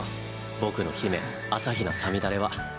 僕の姫朝日奈さみだれは。